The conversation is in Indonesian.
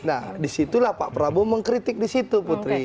nah disitulah pak prabowo mengkritik disitu putri